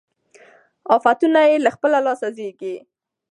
آفتونه یې له خپله لاسه زېږي